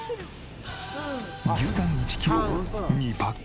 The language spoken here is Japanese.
牛タン１キロを２パック。